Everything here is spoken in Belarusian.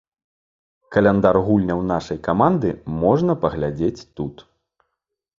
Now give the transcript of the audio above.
Каляндар гульняў нашай каманды можна паглядзець тут.